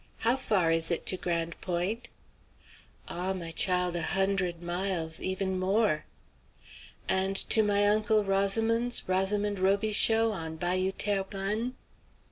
How far is it to Grande Pointe?" "Ah! my child, a hundred miles; even more." "And to my uncle Rosamond's, Rosamond Robichaux, on Bayou Terrebonne?"